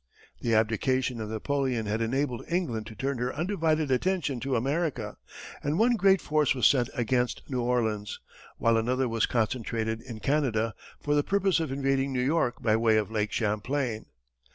The abdication of Napoleon had enabled England to turn her undivided attention to America, and one great force was sent against New Orleans, while another was concentrated in Canada, for the purpose of invading New York by way of Lake Champlain.